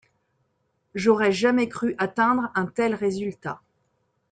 J'aurais jamais cru atteindre un tel résultat.